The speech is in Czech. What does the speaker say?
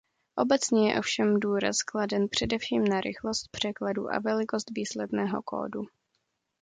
Obecně je ovšem důraz kladen především na rychlost překladu a velikost výsledného kódu.